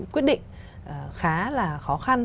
quyết định khá là khó khăn